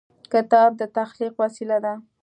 کتاب د تخلیق وسیله ده.